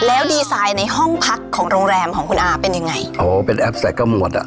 แล้วดีไซน์ในห้องพักของโรงแรมของคุณอาเป็นยังไงอ๋อเป็นแอปใส่กระหมวดอ่ะ